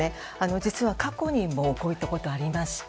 実は過去にもこういったことがありまして。